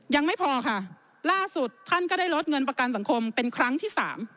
ยังไม่พอค่ะล่าสุดท่านก็ได้ลดเงินประกันสังคมเป็นครั้งที่๓